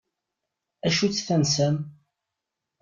Acu-tt tansa-m?